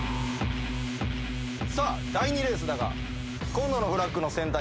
第２レースだが。